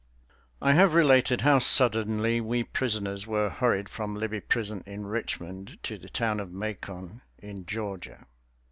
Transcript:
I have related how suddenly we prisoners were hurried from Libby Prison in Richmond to the town of Macon in Georgia.